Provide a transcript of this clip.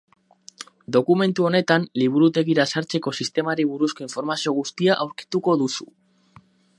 Dokumentu honetan Liburutegira sartzeko sistemari buruzko informazio guztia aurkituko duzu.